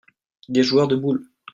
des joueurs de boules.